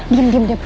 diam diam diam